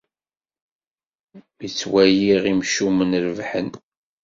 Mi ttwaliɣ imcumen rebḥen.